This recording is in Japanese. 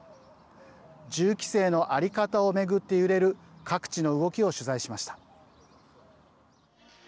銃規制の在り方を巡って揺れる各地の動きを取材しました。